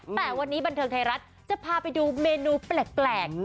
แต่วันนี้บันเทิงไทยรัฐจะพาไปดูเมนูแปลก